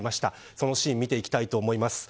そのシーン見ていきたいと思います。